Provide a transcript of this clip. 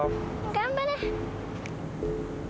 頑張れ！